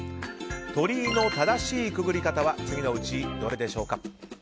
鳥居の正しいくぐり方は次のうちどれでしょうか。